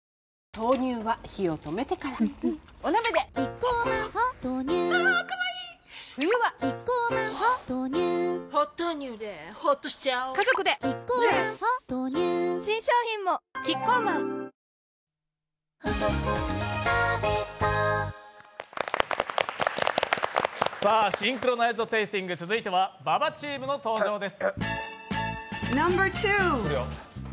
豆乳新商品もキッコーマンシンクロナイズドテイスティング、続いては馬場チームの登場です。